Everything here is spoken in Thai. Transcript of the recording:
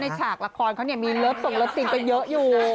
แบบจากละครเขามีรสสมรสติ๊งเยอะอยู่